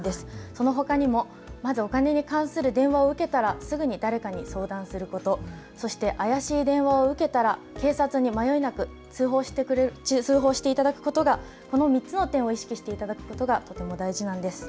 そのほかにもまずお金に関する電話を受けたらすぐに誰かに相談すること、そして怪しい電話を受けたら警察に迷いなく通報していただくこと、この３つの点を意識していただくことがとても大事なんです。